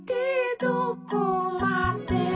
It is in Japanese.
「どこまでも」